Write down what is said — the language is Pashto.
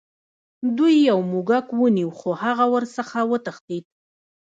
دوی یو موږک ونیو خو هغه ورڅخه وتښتید.